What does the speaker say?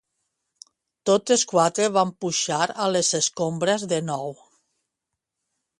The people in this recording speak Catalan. Totes quatre van pujar a les escombres de nou.